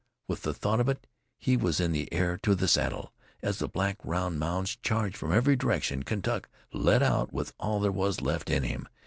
With the thought of it, he was in the air to the saddle. As the black, round mounds charged from every direction, Kentuck let out with all there was left in him.